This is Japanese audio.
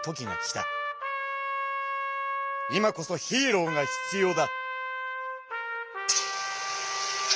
今こそヒーローが必要だ！